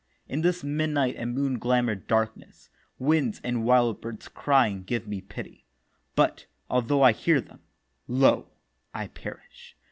In this Midnight and moon glamour'd Darkness, Winds and Wildbirds crying give me pity; But, altho' I hear them, lo! I perish.